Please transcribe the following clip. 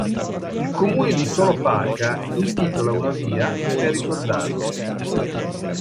Il comune di Solopaca gli intitola una via, per ricordarlo.